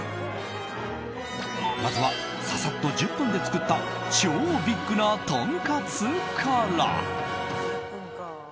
まずは、ササッと１０分で作った超ビッグなとんかつから。